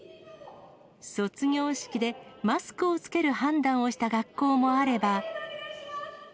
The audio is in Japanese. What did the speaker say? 卒業式でマスクを着ける判断をした学校もあれば。